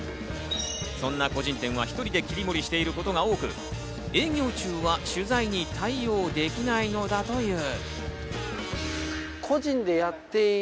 そんな個人店は１人で切り盛りしていることが多く、営業中は取材に対応できないのだという。